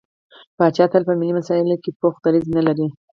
پاچا تل په ملي مسايلو کې پوخ دريځ نه لري.